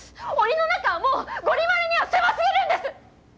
檻の中はもうゴリ丸には狭すぎるんです！